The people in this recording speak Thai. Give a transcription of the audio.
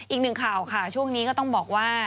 อีกหนึ่งข่าวค่ะช่วงนี้ก็ต้องบอกว่า